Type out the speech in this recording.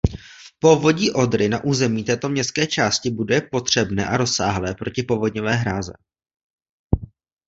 Povodí Odry na území této městské části buduje potřebné a rozsáhlé protipovodňové hráze.